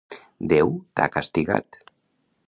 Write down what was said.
Déu t'ha castigat.